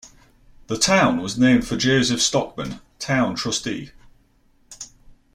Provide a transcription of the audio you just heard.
The town was named for Joseph Stockham, town trustee.